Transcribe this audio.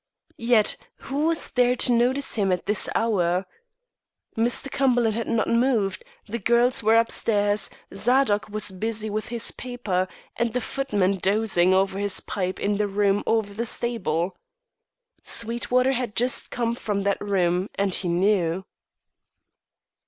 Yet who was there to notice him at this hour? Mr. Cumberland had not moved, the girls were upstairs, Zadok was busy with his paper, and the footman dozing over his pipe in his room over the stable. Sweetwater had just come from that room, and he knew.